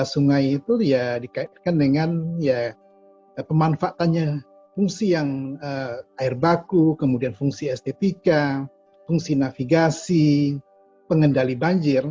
sungai itu ya dikaitkan dengan ya pemanfaatannya fungsi yang air baku kemudian fungsi estetika fungsi navigasi pengendali banjir